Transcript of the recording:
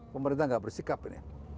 pemerintah nggak bersikap ini